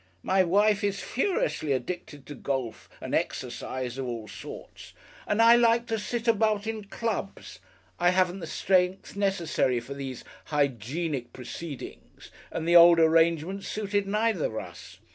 My wife is furiously addicted to golf and exercise of all sorts, and I like to sit about in clubs I haven't the strength necessary for these hygienic proceedings and the old arrangement suited neither of us.